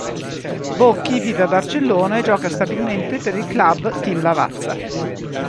Bocchi vive a Barcellona e gioca stabilmente per il club Team Lavazza.